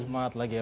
semangat lagi ya